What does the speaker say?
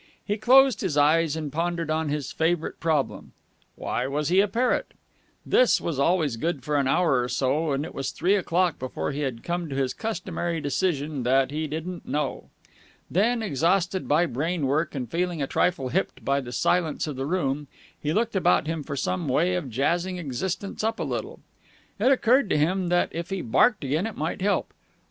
He closed his eyes and pondered on his favourite problem Why was he a parrot? This was always good for an hour or so, and it was three o'clock before he had come to his customary decision that he didn't know. Then, exhausted by brain work and feeling a trifle hipped by the silence of the room, he looked about him for some way of jazzing existence up a little. It occurred to him that if he barked again it might help.